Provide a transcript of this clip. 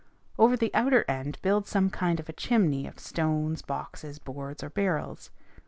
Over the outer end, build some kind of a chimney of stones, boxes, boards, or barrels.